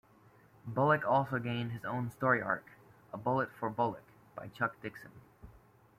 Bullock also gained his own story arc, "A Bullet for Bullock" by Chuck Dixon.